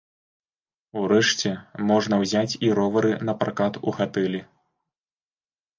Урэшце, можна ўзяць і ровары напракат у гатэлі.